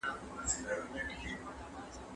د پوهې دروازې بايد پر ټولو خلګو خلاصې وي.